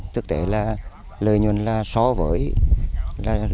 thực tế là lợi nhuận là so với rừng thường